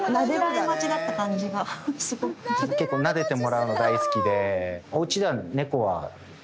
結構なでてもらうの大好きで。